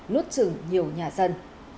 nuốt sừng nhiều nhà dân